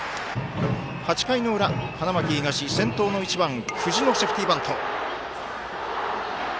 ８回の裏、花巻東先頭の１番、久慈のセーフティーバント。